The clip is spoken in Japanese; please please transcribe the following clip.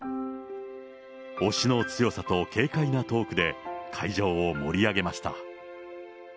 押しの強さと軽快なトークで、会場を盛り上げました。